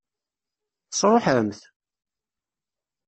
Tesṛuḥem-t?